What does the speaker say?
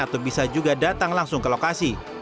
atau bisa juga datang langsung ke lokasi